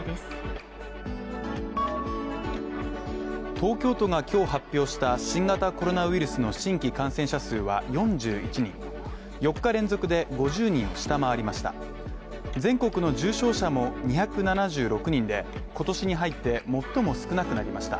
東京都が今日発表した新型コロナウイルスの新規感染者数は４１人４日連続で５０人を下回りました。